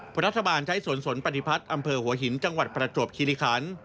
เพราะรัฐบาลใช้สวนสนปฏิพัฒน์อำเภอหัวหินจังหวัดประจวบคิริคัน